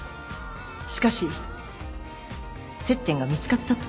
しかし接点が見つかったと。